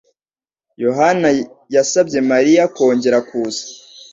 Yohani yasabye Mariya kongera kuza.